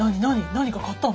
何か買ったの？